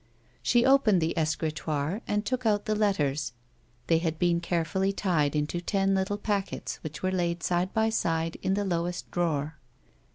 She opened the escritoire and took out the letters ; they had been carefully tied into ten little packets which were laid side by side in the lowest drawer.